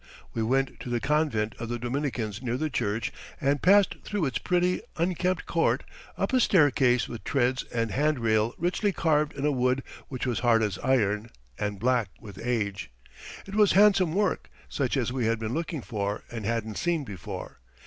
We went to the convent of the Dominicans near the church, and passed through its pretty, unkempt court, up a staircase with treads and handrail richly carved in a wood which was hard as iron, and black with age. It was handsome work, such as we had been looking for and hadn't seen before.